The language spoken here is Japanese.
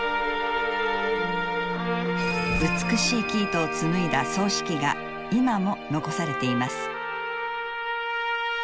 美しい生糸を紡いだ繰糸機が今も残されています。